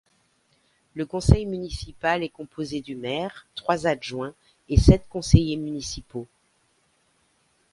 Le conseil municipal est composé du maire, trois adjoints et sept conseillers municipaux.